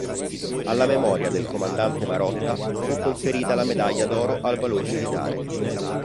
Alla memoria del comandante Marotta fu conferita la Medaglia d'oro al valor militare.